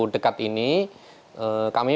dekat ini kami